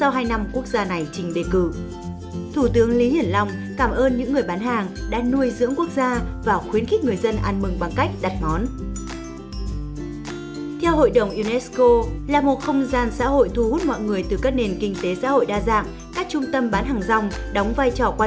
hãy đăng ký kênh để ủng hộ kênh của chúng mình nhé